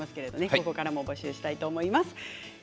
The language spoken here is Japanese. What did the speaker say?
ここからも募集したいと思います。